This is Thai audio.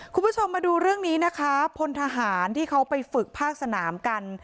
คุณผู้ชมมาดูเรื่องนี้นะคะพลทหารที่เขาไปฝึกภาคสนามกัน